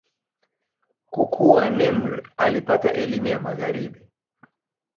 Kukua, Nimr alipata elimu ya Magharibi.